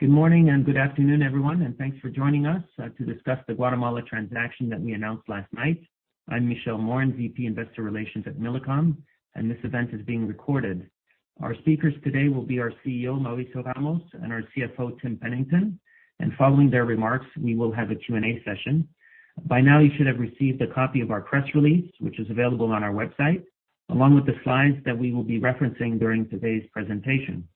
Good morning and good afternoon, everyone, and thanks for joining us to discuss the Guatemala transaction that we announced last night. I'm Michel Morin, VP Investor Relations at Millicom, and this event is being recorded. Our speakers today will be our CEO, Mauricio Ramos, and our CFO, Tim Pennington. Following their remarks, we will have a Q&A session. By now, you should have received a copy of our press release, which is available on our website, along with the slides that we will be referencing during today's presentation.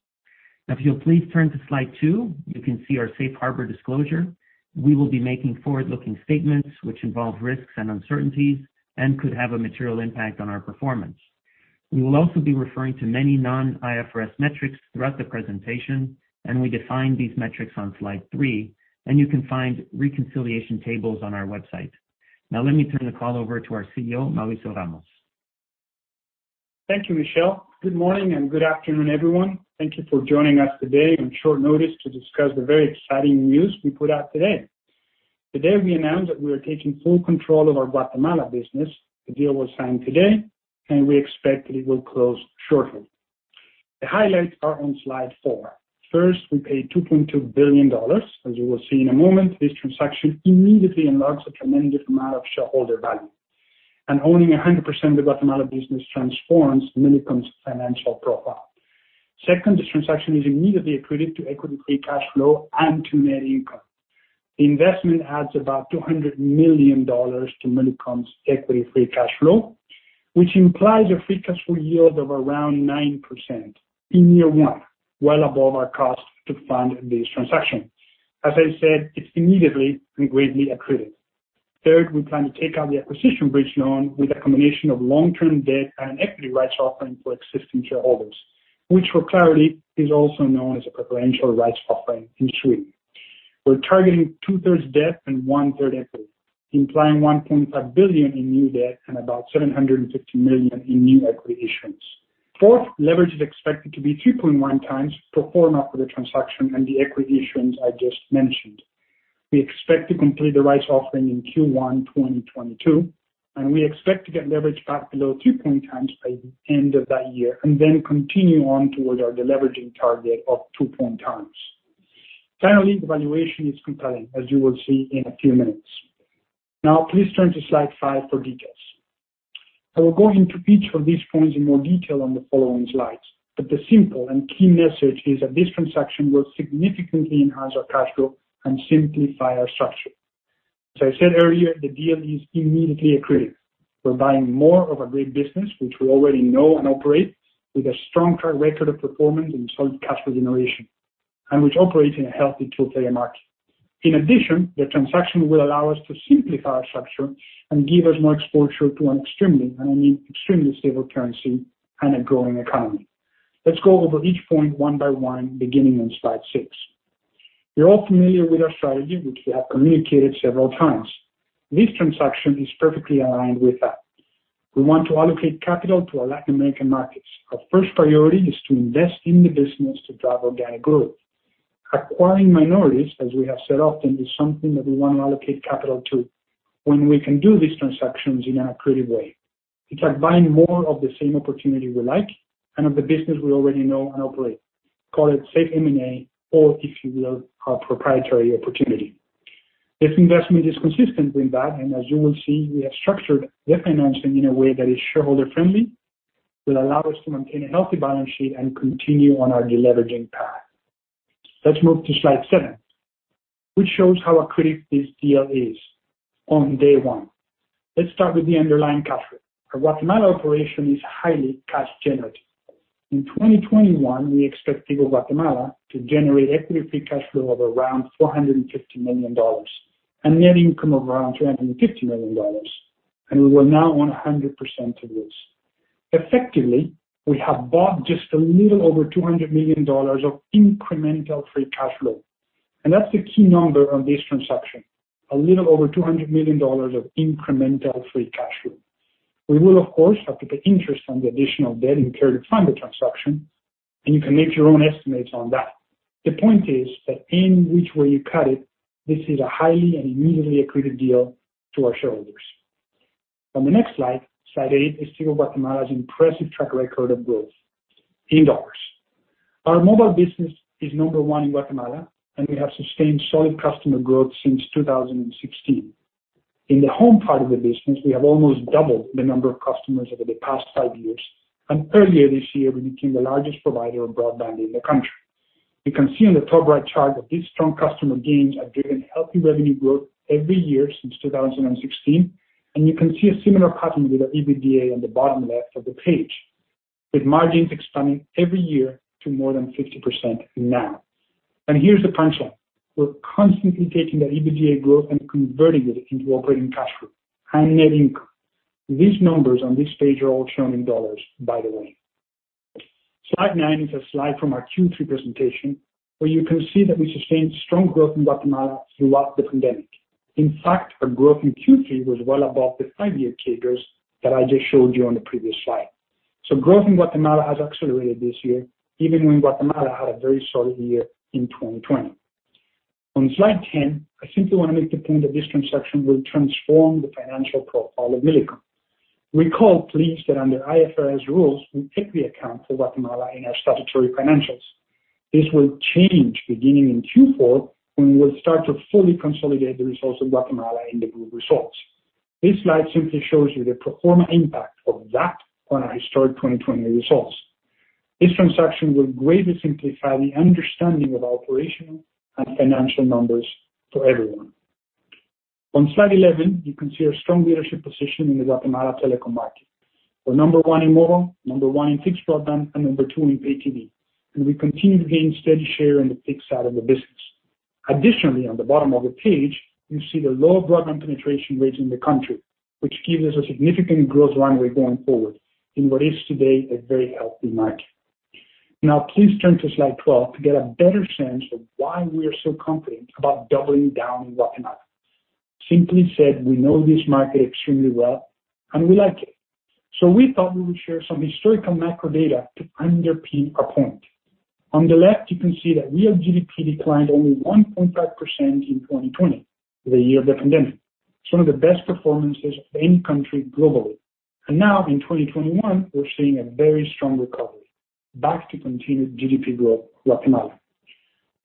Now, if you'll please turn to slide two, you can see our Safe Harbor Disclosure. We will be making forward-looking statements which involve risks and uncertainties and could have a material impact on our performance. We will also be referring to many non-IFRS metrics throughout the presentation, and we define these metrics on slide three, and you can find reconciliation tables on our website. Now, let me turn the call over to our CEO, Mauricio Ramos. Thank you, Michel. Good morning and good afternoon, everyone. Thank you for joining us today on short notice to discuss the very exciting news we put out today. Today, we announced that we are taking full control of our Guatemala business. The deal was signed today, and we expect that it will close shortly. The highlights are on slide four. First, we paid $2.2 billion, as you will see in a moment. This transaction immediately unlocks a tremendous amount of shareholder value, and owning 100% of the Guatemala business transforms Millicom's financial profile. Second, this transaction is immediately attributed to equity-free cash flow and to net income. The investment adds about $200 million to Millicom's equity-free cash flow, which implies a free cash flow yield of around 9% in year one, well above our cost to fund this transaction. As I said, it's immediately and greatly attributed. Third, we plan to take out the acquisition bridge loan with a combination of long-term debt and an equity rights offering for existing shareholders, which for clarity is also known as a preferential rights offering in Sweden. We're targeting two-thirds debt and one-third equity, implying $1.5 billion in new debt and about $750 million in new equity issuance. Fourth, leverage is expected to be 3.1x pro forma for the transaction and the equity issuance I just mentioned. We expect to complete the rights offering in Q1 2022, and we expect to get leverage back below 3.0x by the end of that year and then continue on towards our deleveraging target of 2.0x. Finally, the valuation is compelling, as you will see in a few minutes. Now, please turn to slide five for details. I will go into each of these points in more detail on the following slides, but the simple and key message is that this transaction will significantly enhance our cash flow and simplify our structure. As I said earlier, the deal is immediately accretive. We're buying more of a great business, which we already know and operate, with a strong track record of performance and solid cash regeneration, and which operates in a healthy two-player market. In addition, the transaction will allow us to simplify our structure and give us more exposure to an extremely, and I mean extremely, stable currency and a growing economy. Let's go over each point one by one, beginning on slide six. You're all familiar with our strategy, which we have communicated several times. This transaction is perfectly aligned with that. We want to allocate capital to our Latin American markets. Our first priority is to invest in the business to drive organic growth. Acquiring minorities, as we have said often, is something that we want to allocate capital to when we can do these transactions in an accretive way. It's like buying more of the same opportunity we like and of the business we already know and operate. Call it safe M&A, or if you will, our proprietary opportunity. This investment is consistent with that, and as you will see, we have structured the financing in a way that is shareholder-friendly, will allow us to maintain a healthy balance sheet and continue on our deleveraging path. Let's move to slide seven, which shows how accretive this deal is on day one. Let's start with the underlying cash flow. Our Guatemala operation is highly cash-generative. In 2021, we expected for Guatemala to generate equity-free cash flow of around $450 million and net income of around $350 million, and we will now own 100% of this. Effectively, we have bought just a little over $200 million of incremental free cash flow, and that's the key number on this transaction, a little over $200 million of incremental free cash flow. We will, of course, have to pay interest on the additional debt incurred to fund the transaction, and you can make your own estimates on that. The point is that in which way you cut it, this is a highly and immediately accretive deal to our shareholders. On the next slide, slide eight is Tigo Guatemala's impressive track record of growth in dollars. Our mobile business is number one in Guatemala, and we have sustained solid customer growth since 2016. In the home part of the business, we have almost doubled the number of customers over the past five years, and earlier this year, we became the largest provider of broadband in the country. You can see on the top right chart that these strong customer gains have driven healthy revenue growth every year since 2016, and you can see a similar pattern with our EBITDA on the bottom left of the page, with margins expanding every year to more than 50% now. Here's the punchline. We're constantly taking that EBITDA growth and converting it into operating cash flow and net income. These numbers on this page are all shown in dollars, by the way. Slide nine is a slide from our Q3 presentation where you can see that we sustained strong growth in Guatemala throughout the pandemic. In fact, our growth in Q3 was well above the five-year cadres that I just showed you on the previous slide. Growth in Guatemala has accelerated this year, even when Guatemala had a very solid year in 2020. On slide 10, I simply want to make the point that this transaction will transform the financial profile of Millicom. Recall, please, that under IFRS rules, we equity account for Guatemala in our statutory financials. This will change beginning in Q4 when we'll start to fully consolidate the results of Guatemala in the group results. This slide simply shows you the pro forma impact of that on our historic 2020 results. This transaction will greatly simplify the understanding of operational and financial numbers for everyone. On slide 11, you can see our strong leadership position in the Guatemala telecom market. We're number one in mobile, number one in fixed broadband, and number two in pay TV, and we continue to gain steady share in the fixed side of the business. Additionally, on the bottom of the page, you see the low broadband penetration rates in the country, which gives us a significant growth runway going forward in what is today a very healthy market. Now, please turn to slide 12 to get a better sense of why we are so confident about doubling down in Guatemala. Simply said, we know this market extremely well, and we like it. We thought we would share some historical macro data to underpin our point. On the left, you can see that real GDP declined only 1.5% in 2020, the year of the pandemic. It's one of the best performances of any country globally. In 2021, we're seeing a very strong recovery back to continued GDP growth in Guatemala.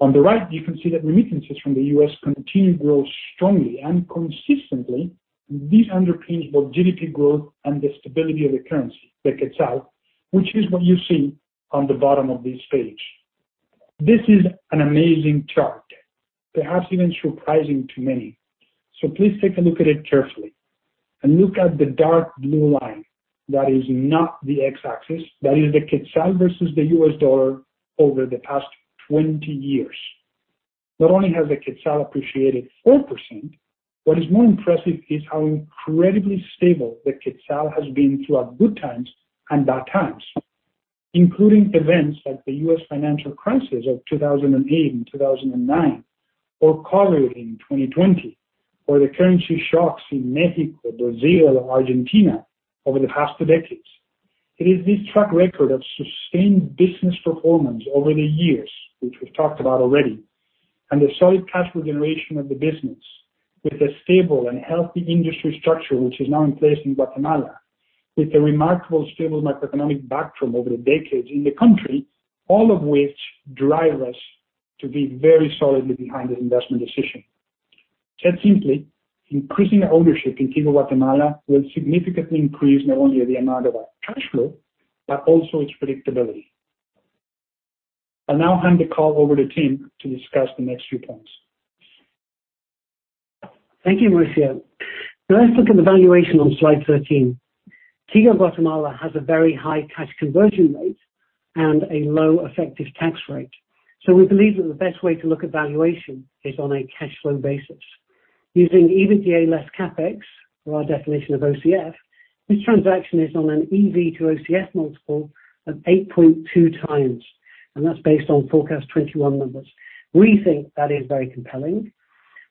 On the right, you can see that remittances from the U.S. continue to grow strongly and consistently, and this underpins both GDP growth and the stability of the currency, the quetzal, which is what you see on the bottom of this page. This is an amazing chart, perhaps even surprising to many. Please take a look at it carefully and look at the dark blue line that is not the X-axis. That is the quetzal versus the U.S. dollar over the past 20 years. Not only has the quetzal appreciated 4%, what is more impressive is how incredibly stable the quetzal has been throughout good times and bad times, including events like the U.S. financial crisis of 2008 and 2009, or COVID in 2020, or the currency shocks in Mexico, Brazil, or Argentina over the past two decades. It is this track record of sustained business performance over the years, which we've talked about already, and the solid cash regeneration of the business with a stable and healthy industry structure, which is now in place in Guatemala, with a remarkably stable macroeconomic backdrop over the decades in the country, all of which drive us to be very solidly behind this investment decision. Said simply, increasing our ownership in Tigo Guatemala will significantly increase not only the amount of our cash flow, but also its predictability. I'll now hand the call over to Tim to discuss the next few points. Thank you, Mauricio. Now, let's look at the valuation on slide 13. Tigo Guatemala has a very high cash conversion rate and a low effective tax rate. We believe that the best way to look at valuation is on a cash flow basis. Using EBITDA less CAPEX, or our definition of OCF, this transaction is on an EV to OCF multiple of 8.2x, and that is based on forecast 2021 numbers. We think that is very compelling.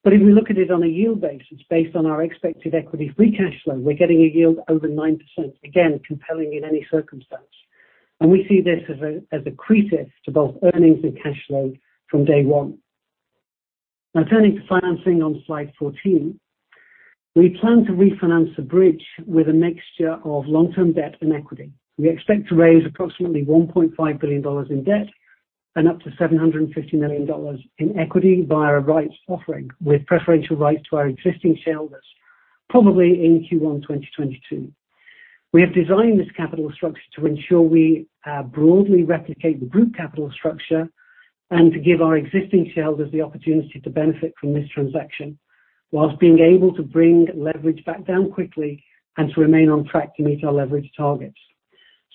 If we look at it on a yield basis, based on our expected equity-free cash flow, we are getting a yield over 9%, again, compelling in any circumstance. We see this as accretive to both earnings and cash flow from day one. Now, turning to financing on slide 14, we plan to refinance the bridge with a mixture of long-term debt and equity. We expect to raise approximately $1.5 billion in debt and up to $750 million in equity via a rights offering with preferential rights to our existing shareholders, probably in Q1 2022. We have designed this capital structure to ensure we broadly replicate the group capital structure and to give our existing shareholders the opportunity to benefit from this transaction whilst being able to bring leverage back down quickly and to remain on track to meet our leverage targets.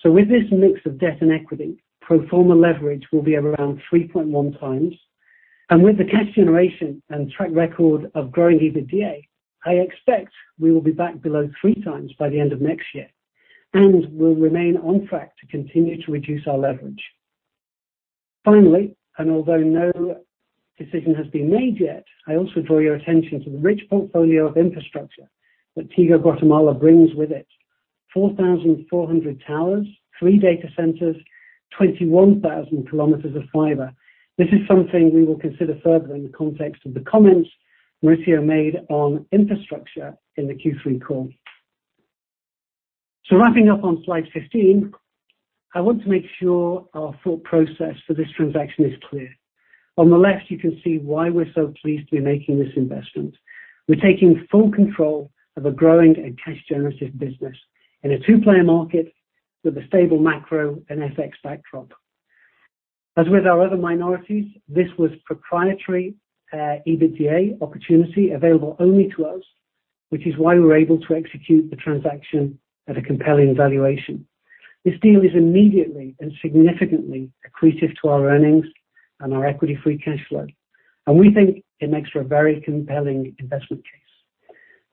With this mix of debt and equity, pro forma leverage will be around 3.1x, and with the cash generation and track record of growing EBITDA, I expect we will be back below 3x by the end of next year and will remain on track to continue to reduce our leverage. Finally, and although no decision has been made yet, I also draw your attention to the rich portfolio of infrastructure that Tigo Guatemala brings with it: 4,400 towers, three data centers, 21,000 kilometers of fiber. This is something we will consider further in the context of the comments Michel made on infrastructure in the Q3 call. Wrapping up on slide 15, I want to make sure our thought process for this transaction is clear. On the left, you can see why we're so pleased to be making this investment. We're taking full control of a growing and cash-generative business in a two-player market with a stable macro and FX backdrop. As with our other minorities, this was proprietary EBITDA opportunity available only to us, which is why we were able to execute the transaction at a compelling valuation. This deal is immediately and significantly accretive to our earnings and our equity-free cash flow, and we think it makes for a very compelling investment case.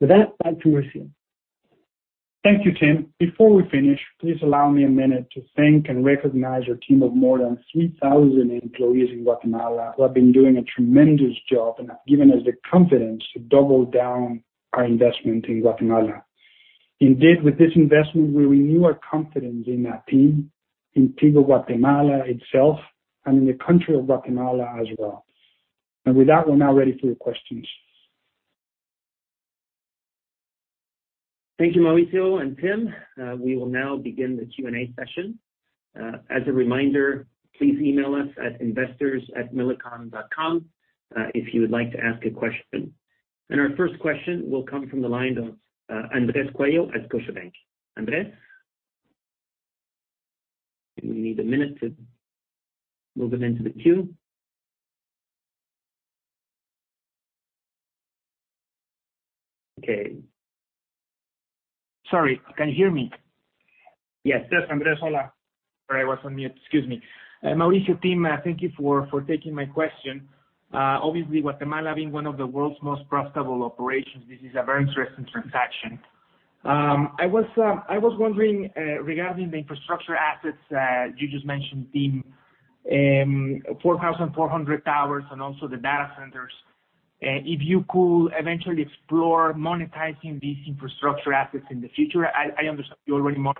With that, back to Mauricio. Thank you, Tim. Before we finish, please allow me a minute to thank and recognize your team of more than 3,000 employees in Guatemala who have been doing a tremendous job and have given us the confidence to double down our investment in Guatemala. Indeed, with this investment, we renew our confidence in our team, in Tigo Guatemala itself, and in the country of Guatemala as well. With that, we are now ready for your questions. Thank you, Mauricio and Tim. We will now begin the Q&A session. As a reminder, please email us at investors@millicom.com if you would like to ask a question. Our first question will come from the line of Andres Coello at Scotiabank. Andrés? We need a minute to move him into the queue. Okay. Sorry, can you hear me? Yes.Yes, Andres, hola. Sorry, I was on mute. Excuse me. Mauricio, Tim, thank you for taking my question. Obviously, Guatemala being one of the world's most profitable operations, this is a very interesting transaction. I was wondering regarding the infrastructure assets you just mentioned, Tim, 4,400 towers and also the data centers. If you could eventually explore monetizing these infrastructure assets in the future, I understand you already monetize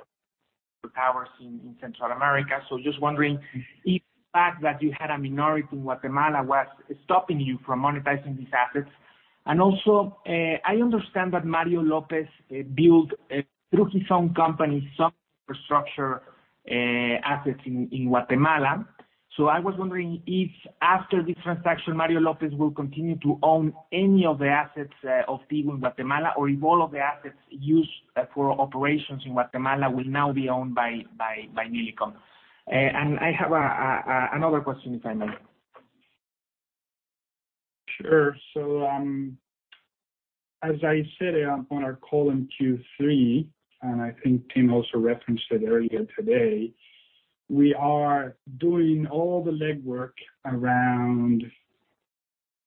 towers in Central America, just wondering if the fact that you had a minority in Guatemala was stopping you from monetizing these assets. I understand that Mario López built through his own company some infrastructure assets in Guatemala. I was wondering if after this transaction, Mario López will continue to own any of the assets of Tigo in Guatemala, or if all of the assets used for operations in Guatemala will now be owned by Millicom. I have another question, if I may. Sure. As I said on our call in Q3, and I think Tim also referenced it earlier today, we are doing all the legwork around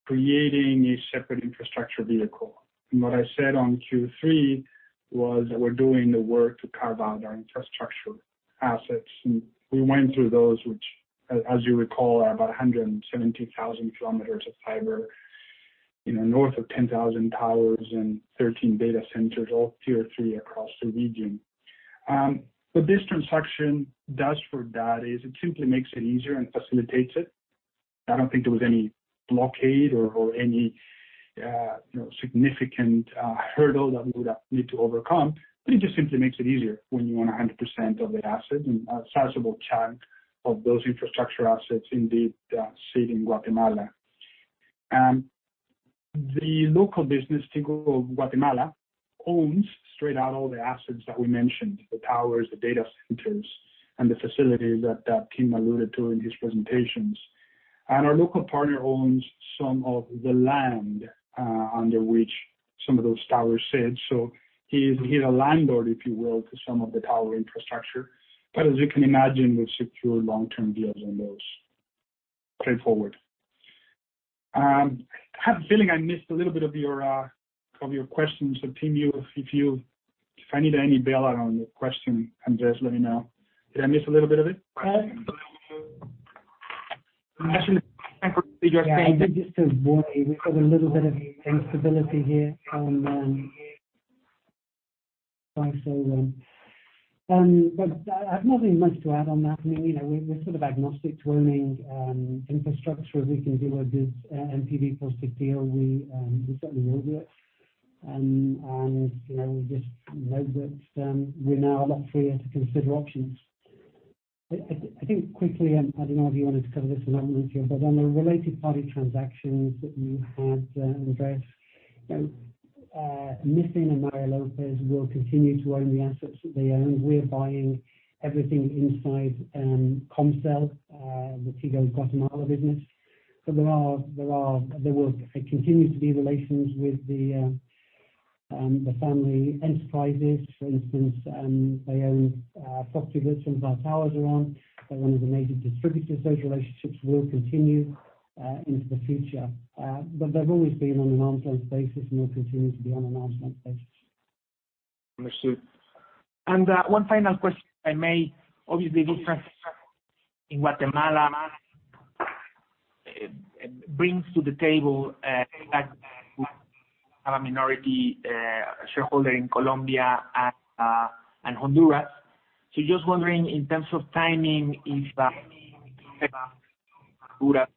creating a separate infrastructure vehicle. What I said on Q3 was that we're doing the work to carve out our infrastructure assets. We went through those, which, as you recall, are about 170,000 km of fiber, north of 10,000 towers, and 13 data centers, all Tier 3 across the region. What this transaction does for that is it simply makes it easier and facilitates it. I do not think there was any blockade or any significant hurdle that we would need to overcome, but it just simply makes it easier when you want 100% of the assets and a sizable chunk of those infrastructure assets indeed sitting in Guatemala. The local business, Tigo Guatemala, owns straight out all the assets that we mentioned, the towers, the data centers, and the facilities that Tim alluded to in his presentations. Our local partner owns some of the land under which some of those towers sit. He is a landlord, if you will, to some of the tower infrastructure. As you can imagine, we have secured long-term deals on those. Straightforward. I have a feeling I missed a little bit of your questions. Tim, if I need any bailout on your question, Andres, let me know. Did I miss a little bit of it? Actually, thank you for just saying. I did just say, boy, we've got a little bit of instability here. I have nothing much to add on that. I mean, we're sort of agnostic to owning infrastructure. If we can do a good NPV-positive deal, we certainly will do it. We just know that we're now a lot freer to consider options. I think quickly, and I don't know if you wanted to cover this or not, Michel, but on the related party transactions that you had, Andres, Missing and Mario López will continue to own the assets that they own. We're buying everything inside Comcel, the Tigo Guatemala business. There will continue to be relations with the family enterprises. For instance, they own FOCTIVUS, one of our towers around. They're one of the major distributors. Those relationships will continue into the future. They've always been on an arms-length basis and will continue to be on an arms-length basis. Understood. One final question, if I may. Obviously, this transaction in Guatemala brings to the table a minority shareholder in Colombia and Honduras. Just wondering, in terms of timing, if any Honduras,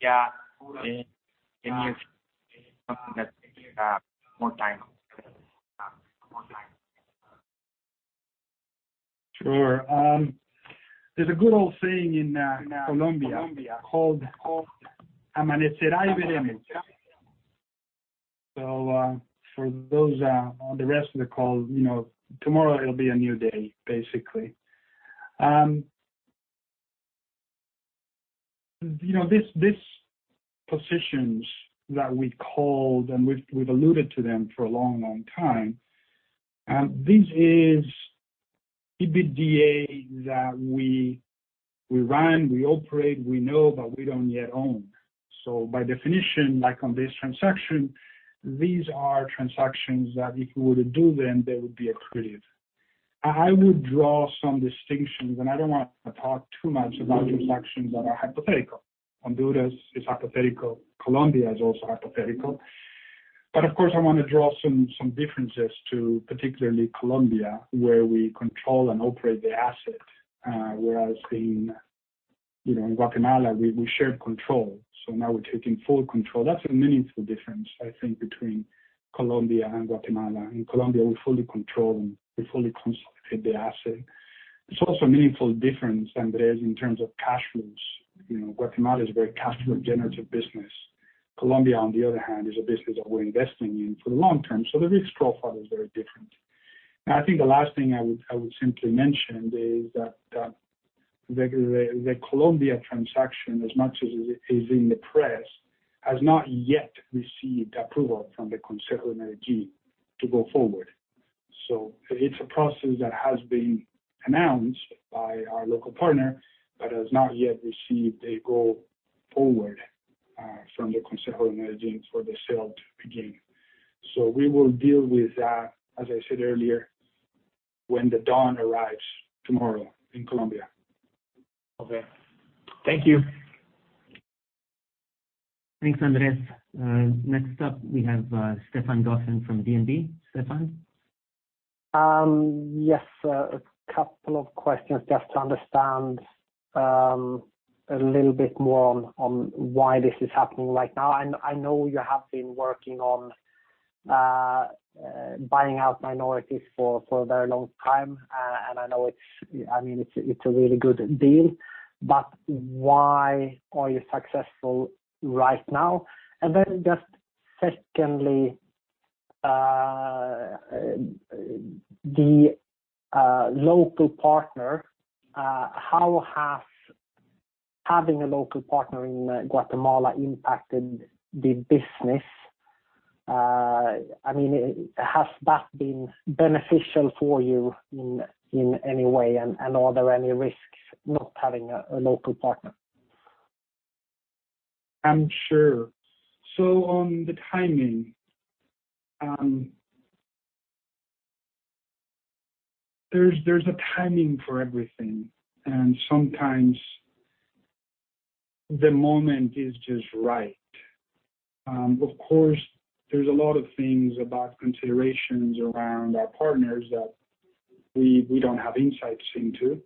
yeah, any of that more time? Sure. There is a good old saying in Colombia called amanecerá y veremos. For those on the rest of the call, tomorrow it will be a new day, basically. These positions that we called and we have alluded to them for a long, long time, this is EBITDA that we run, we operate, we know, but we do not yet own. By definition, like on this transaction, these are transactions that if we were to do them, they would be accretive. I would draw some distinctions, and I do not want to talk too much about transactions that are hypothetical. Honduras is hypothetical. Colombia is also hypothetical. Of course, I want to draw some differences to particularly Colombia, where we control and operate the asset, whereas in Guatemala, we shared control. Now we are taking full control. That is a meaningful difference, I think, between Colombia and Guatemala. In Colombia, we fully control and we fully consolidate the asset. It is also a meaningful difference, Andrés, in terms of cash flows. Guatemala is a very cash-generative business. Colombia, on the other hand, is a business that we are investing in for the long term. The risk profile is very different. I think the last thing I would simply mention is that the Colombia transaction, as much as it is in the press, has not yet received approval from the Consejo de Energía to go forward. It is a process that has been announced by our local partner, but has not yet received a go-forward from the Consejo de Energía for the sale to begin. We will deal with that, as I said earlier, when the dawn arrives tomorrow in Colombia. Thank you. Thanks, Andres. Next up, we have Stefan Gauffin from DNB. Stefan? Yes. A couple of questions, just to understand a little bit more on why this is happening right now. I know you have been working on buying out minorities for a very long time, and I know it's a really good deal. Why are you successful right now? Secondly, the local partner, how has having a local partner in Guatemala impacted the business? I mean, has that been beneficial for you in any way, and are there any risks not having a local partner? I'm sure. On the timing, there's a timing for everything, and sometimes the moment is just right. Of course, there's a lot of things about considerations around our partners that we don't have insights into.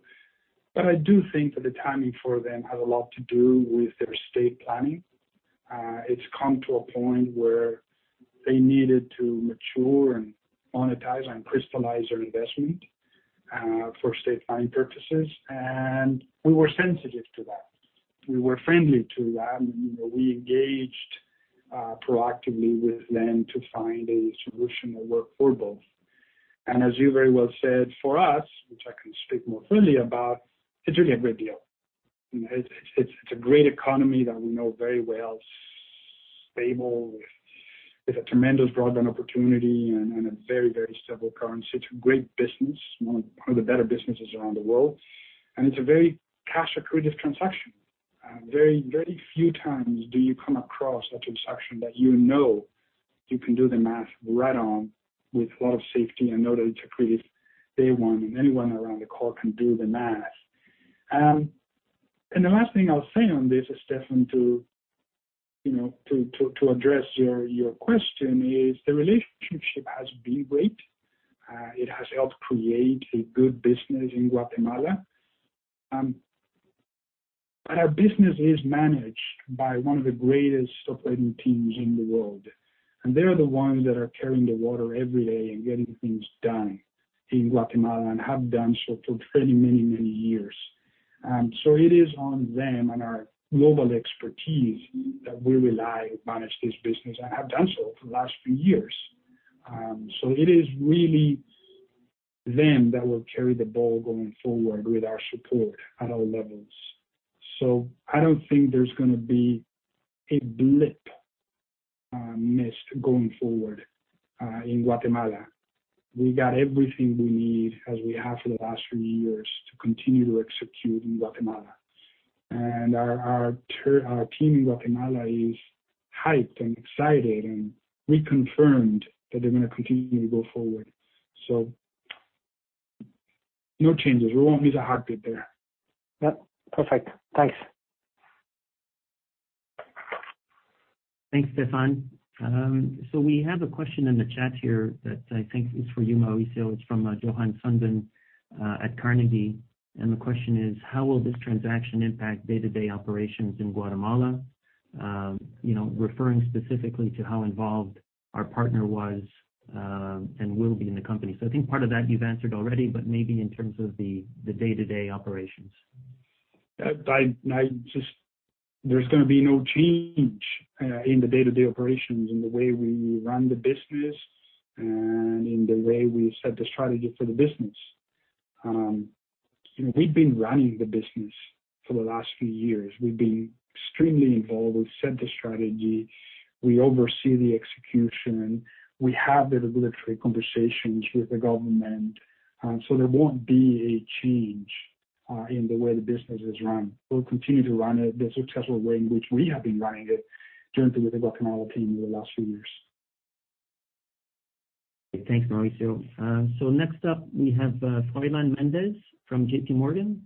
I do think that the timing for them has a lot to do with their estate planning. It's come to a point where they needed to mature and monetize and crystallize their investment for estate planning purposes, and we were sensitive to that. We were friendly to that. We engaged proactively with them to find a solution that worked for both. As you very well said, for us, which I can speak more freely about, it's really a great deal. It's a great economy that we know very well, stable, with a tremendous broadband opportunity and a very, very stable currency. It's a great business, one of the better businesses around the world. It's a very cash-accretive transaction. Very few times do you come across a transaction that you know you can do the math right on with a lot of safety and know that it's accretive. Day one and anyone around the call can do the math. The last thing I'll say on this, Stefan, to address your question, is the relationship has been great. It has helped create a good business in Guatemala. Our business is managed by one of the greatest operating teams in the world. They're the ones that are carrying the water every day and getting things done in Guatemala and have done so for many, many, many years. It is on them and our global expertise that we rely to manage this business and have done so for the last few years. It is really them that will carry the ball going forward with our support at all levels. I do not think there is going to be a blip missed going forward in Guatemala. We got everything we need as we have for the last few years to continue to execute in Guatemala. Our team in Guatemala is hyped and excited, and we confirmed that they are going to continue to go forward. No changes. We will not miss a heartbeat there. Perfect. Thanks. Thanks, Stefan. We have a question in the chat here that I think is for you, Mauricio. It's from Johan Sundén at Carnegie. The question is, how will this transaction impact day-to-day operations in Guatemala, referring specifically to how involved our partner was and will be in the company? I think part of that you've answered already, but maybe in terms of the day-to-day operations. There's going to be no change in the day-to-day operations, in the way we run the business, and in the way we set the strategy for the business. We've been running the business for the last few years. We've been extremely involved. We've set the strategy. We oversee the execution. We have the regulatory conversations with the government. There won't be a change in the way the business is run. We'll continue to run it the successful way in which we have been running it during the Guatemala team over the last few years. Thanks, Mauricio. Next up, we have Froylan Mendez from JPMorgan.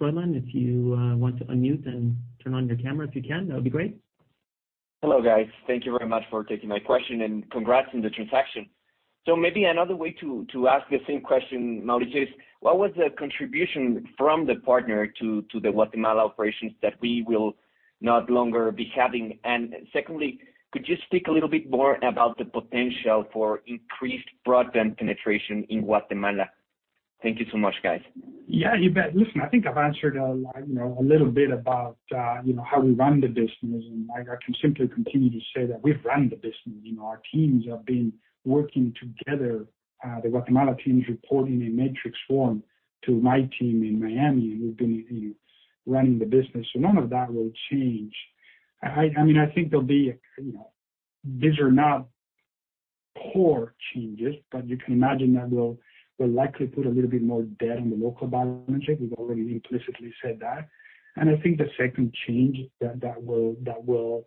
Froylan, if you want to unmute and turn on your camera, if you can, that would be great. Hello, guys. Thank you very much for taking my question and congrats on the transaction. Maybe another way to ask the same question, Mauricio, is, what was the contribution from the partner to the Guatemala operations that we will not longer be having? Secondly, could you speak a little bit more about the potential for increased broadband penetration in Guatemala? Thank you so much, guys. Yeah, you bet. Listen, I think I've answered a little bit about how we run the business. I can simply continue to say that we've run the business. Our teams have been working together. The Guatemala team is reporting in a matrix form to my team in Miami, and we've been running the business. None of that will change. I mean, I think there will be these are not core changes, but you can imagine that we'll likely put a little bit more debt on the local balance sheet. We've already implicitly said that. I think the second change that will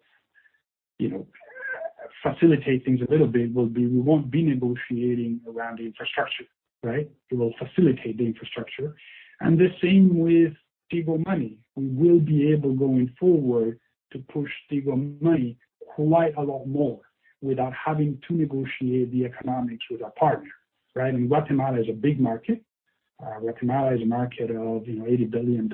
facilitate things a little bit will be we will not be negotiating around the infrastructure, right? It will facilitate the infrastructure. The same with Tigo Money. We will be able going forward to push Tigo Money quite a lot more without having to negotiate the economics with our partner, right? Guatemala is a big market. Guatemala is a market of $80 billion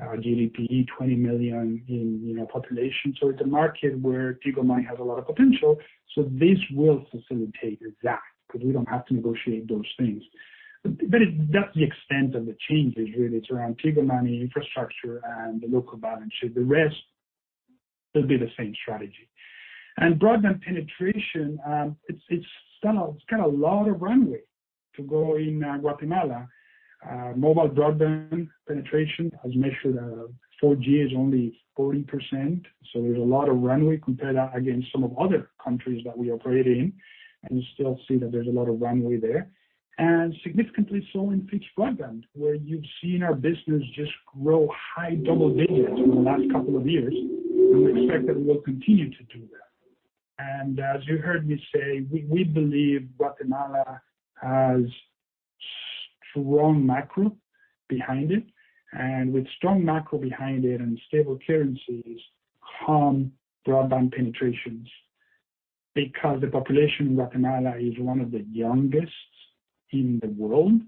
GDP, 20 million in population. It is a market where Tigo Money has a lot of potential. This will facilitate that because we do not have to negotiate those things. That is the extent of the changes, really. It is around Tigo Money, infrastructure, and the local balance sheet. The rest, it will be the same strategy. Broadband penetration, it has got a lot of runway to go in Guatemala. Mobile broadband penetration as measured for 4G is only 40%. There is a lot of runway compared against some of the other countries that we operate in. You still see that there is a lot of runway there. Significantly so in fixed broadband, where you've seen our business just grow high double digits in the last couple of years. We expect that we will continue to do that. As you heard me say, we believe Guatemala has strong macro behind it. With strong macro behind it and stable currencies come broadband penetrations because the population in Guatemala is one of the youngest in the world,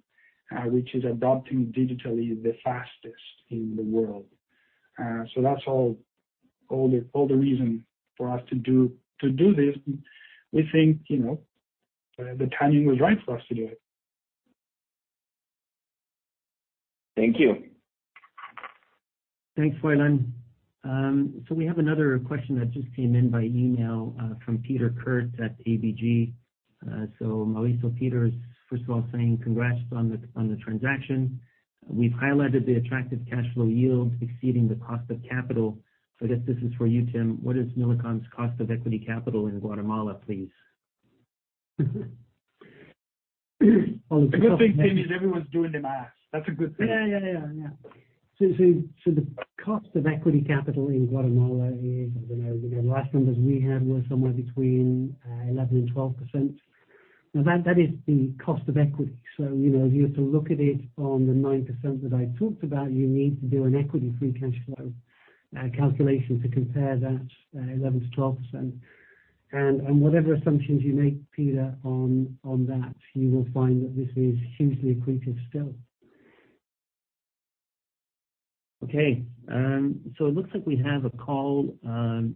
which is adopting digitally the fastest in the world. That is all the reason for us to do this. We think the timing was right for us to do it. Thank you. Thanks, Froylan. We have another question that just came in by email from Peter Kurt at ABG. Mauricio, Peter is, first of all, saying congrats on the transaction. We've highlighted the attractive cash flow yield exceeding the cost of capital. I guess this is for you, Tim. What is Millicom's cost of equity capital in Guatemala, please? The good thing, Tim, is everyone's doing the math. That's a good thing. Yeah, yeah, yeah, yeah. The cost of equity capital in Guatemala is, I don't know, the last numbers we had were somewhere between 11% and 12%. Now, that is the cost of equity. If you were to look at it on the 9% that I talked about, you need to do an equity-free cash flow calculation to compare that 11%-12%. Whatever assumptions you make, Peter, on that, you will find that this is hugely accretive still. Okay. It looks like we have a call.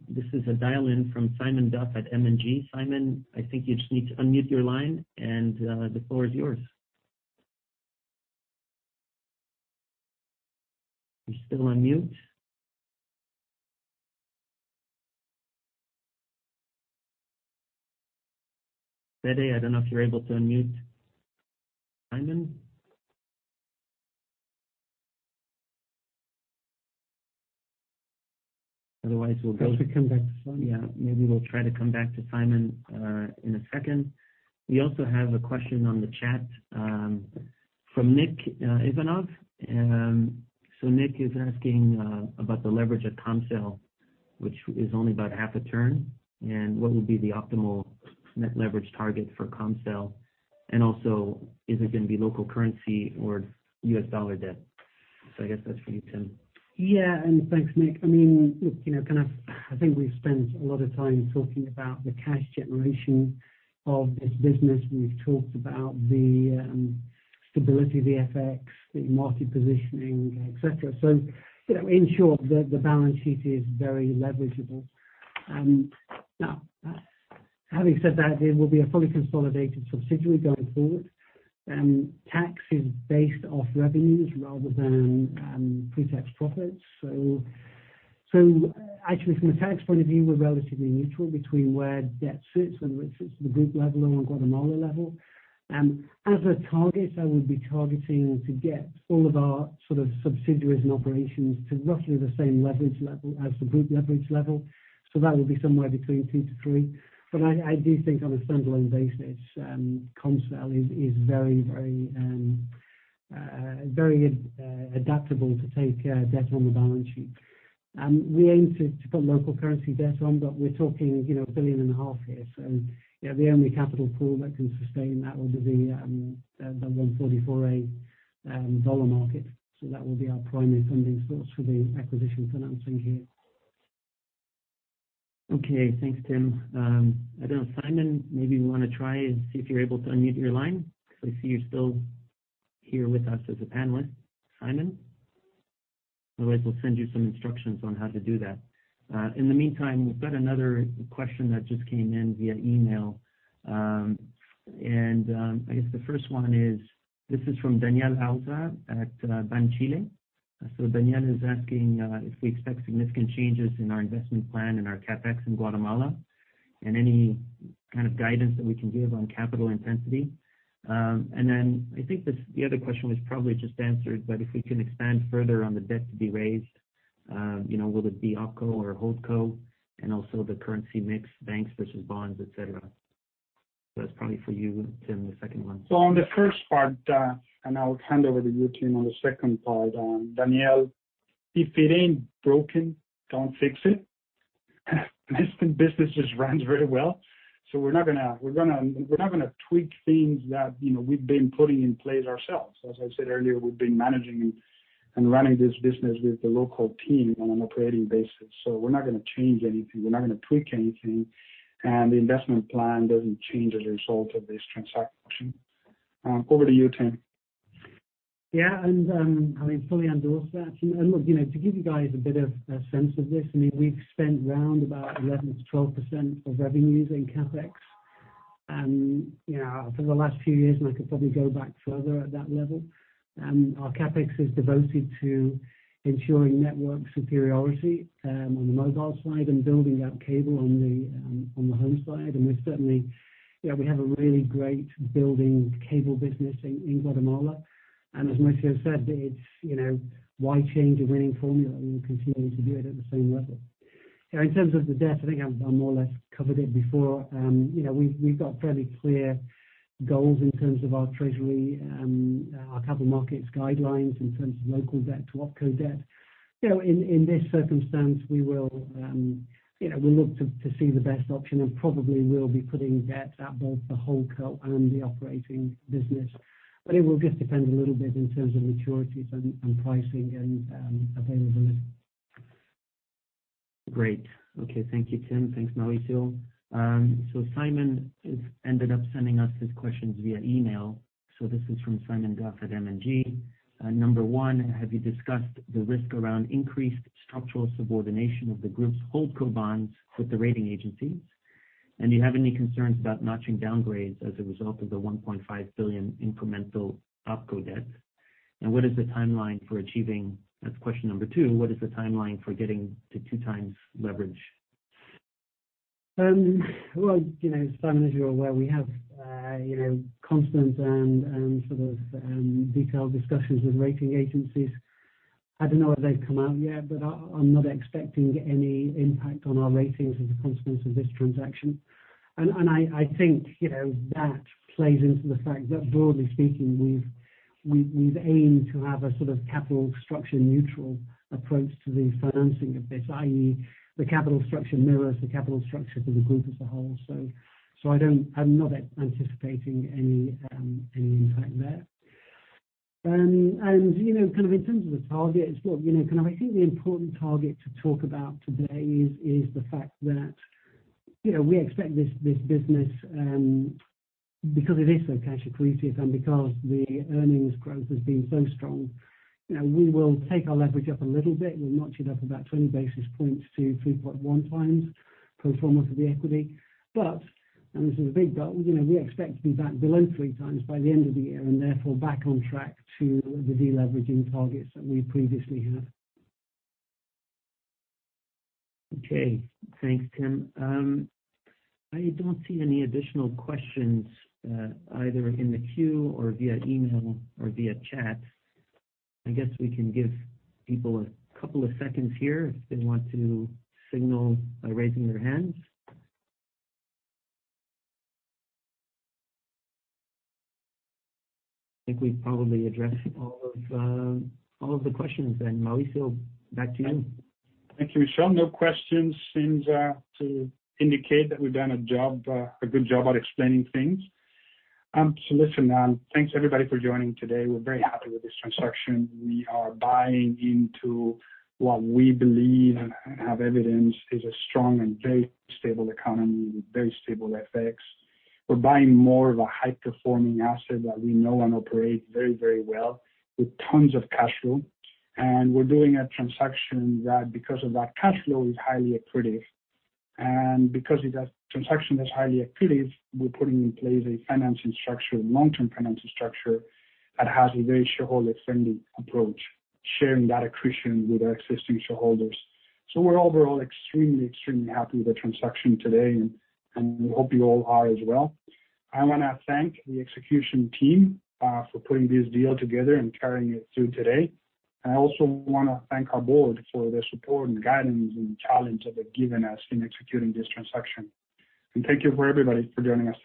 This is a dial-in from Simon Duff at M&G. Simon, I think you just need to unmute your line, and the floor is yours. You're still on mute. Betty, I don't know if you're able to unmute Simon. Otherwise, we'll go to. We'll come back to Simon. Yeah. Maybe we'll try to come back to Simon in a second. We also have a question on the chat from Nick Ivanov. Nick is asking about the leverage at Comcel, which is only about half a turn, and what would be the optimal net leverage target for Comcel. Also, is it going to be local currency or U.S. dollar debt? I guess that's for you, Tim. Yeah. Thanks, Nick. I mean, look, I think we've spent a lot of time talking about the cash generation of this business. We've talked about the stability, the FX, the market positioning, etc. In short, the balance sheet is very leverageable. Now, having said that, it will be a fully consolidated subsidiary going forward. Tax is based off revenues rather than pre-tax profits. Actually, from a tax point of view, we're relatively neutral between where debt sits, whether it sits at the group level or on Guatemala level. As a target, I would be targeting to get all of our sort of subsidiaries and operations to roughly the same leverage level as the group leverage level. That would be somewhere between 2-3. I do think on a standalone basis, Comcel is very, very adaptable to take debt on the balance sheet. We aim to put local currency debt on, but we're talking $1.5 billion here. The only capital pool that can sustain that would be the 144A dollar market. That will be our primary funding source for the acquisition financing here. Okay. Thanks, Tim. I don't know, Simon, maybe we want to try and see if you're able to unmute your line because I see you're still here with us as a panelist. Simon? Otherwise, we'll send you some instructions on how to do that. In the meantime, we've got another question that just came in via email. I guess the first one is, this is from Daniel Oda at Banco Chile. Daniel is asking if we expect significant changes in our investment plan and our CAPEX in Guatemala and any kind of guidance that we can give on capital intensity. I think the other question was probably just answered, but if we can expand further on the debt to be raised, will it be opco or holdco, and also the currency mix, banks versus bonds, etc.? That's probably for you, Tim, the second one. On the first part, and I'll hand over to you, Tim, on the second part. Daniel, if it ain't broken, don't fix it. This business just runs very well. We're not going to tweak things that we've been putting in place ourselves. As I said earlier, we've been managing and running this business with the local team on an operating basis. We're not going to change anything. We're not going to tweak anything. The investment plan doesn't change as a result of this transaction. Over to you, Tim. Yeah. I'm fully on board with that. Look, to give you guys a bit of a sense of this, I mean, we've spent round about 11%-12% of revenues in CAPEX for the last few years, and I could probably go back further at that level. Our CAPEX is devoted to ensuring network superiority on the mobile side and building out cable on the home side. We have a really great building cable business in Guatemala. As Mauricio said, why change a winning formula? We'll continue to do it at the same level. In terms of the debt, I think I more or less covered it before. We've got fairly clear goals in terms of our treasury, our capital markets guidelines in terms of local debt to opco debt. In this circumstance, we will look to see the best option and probably will be putting debt at both the holdco and the operating business. It will just depend a little bit in terms of maturities and pricing and availability. Great. Okay. Thank you, Tim. Thanks, Mauricio. Simon ended up sending us his questions via email. This is from Simon Duff at M&G. Number one, have you discussed the risk around increased structural subordination of the group's holdco bonds with the rating agencies? Do you have any concerns about notching downgrades as a result of the $1.5 billion incremental opco debt? What is the timeline for achieving that? Question number two. What is the timeline for getting to 2x leverage? Simon, as you're aware, we have constant and sort of detailed discussions with rating agencies. I don't know if they've come out yet, but I'm not expecting any impact on our ratings as a consequence of this transaction. I think that plays into the fact that, broadly speaking, we've aimed to have a sort of capital structure neutral approach to the financing of this, i.e., the capital structure mirrors the capital structure for the group as a whole. I'm not anticipating any impact there. Kind of in terms of the target, look, kind of I think the important target to talk about today is the fact that we expect this business, because it is so cash accretive and because the earnings growth has been so strong, we will take our leverage up a little bit. We'll notch it up about 20 basis points to 3.1x pro forma for the equity. This is a big but, we expect to be back below 3x by the end of the year and therefore back on track to the deleveraging targets that we previously had. Okay. Thanks, Tim. I do not see any additional questions either in the queue or via email or via chat. I guess we can give people a couple of seconds here if they want to signal by raising their hands. I think we have probably addressed all of the questions then. Mauricio, back to you. Thank you, Michel. No questions seems to indicate that we've done a good job at explaining things. Listen, thanks everybody for joining today. We're very happy with this transaction. We are buying into what we believe and have evidence is a strong and very stable economy with very stable FX. We're buying more of a high-performing asset that we know and operate very, very well with tons of cash flow. We're doing a transaction that, because of that cash flow, is highly accretive. Because of that transaction that's highly accretive, we're putting in place a financing structure, long-term financing structure that has a very shareholder-friendly approach, sharing that accretion with our existing shareholders. We're overall extremely, extremely happy with the transaction today, and we hope you all are as well. I want to thank the execution team for putting this deal together and carrying it through today. I also want to thank our board for the support and guidance and challenge that they've given us in executing this transaction. Thank you for everybody for joining us.